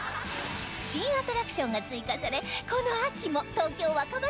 新アトラクションが追加されこの秋も東京若葉台で開催中